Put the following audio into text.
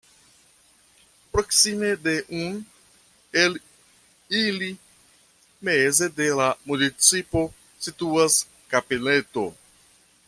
Proksime de un el ili, meze de la municipo, situas kapeleto.